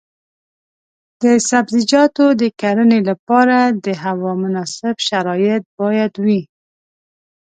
د سبزیجاتو د کرنې لپاره د هوا مناسب شرایط باید وي.